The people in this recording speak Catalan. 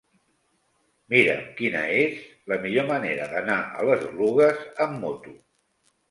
Mira'm quina és la millor manera d'anar a les Oluges amb moto.